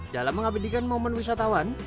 dalam mengabadikan momen wisatawan